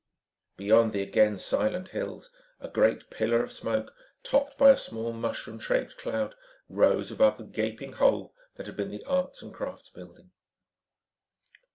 Beyond the again silent hills, a great pillar of smoke, topped by a small mushroom shaped cloud, rose above the gaping hole that had been the arts and crafts building.